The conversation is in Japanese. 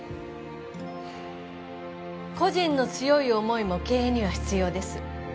個人の強い思いも経営には必要です